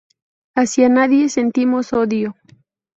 Hacia nadie sentimos odio.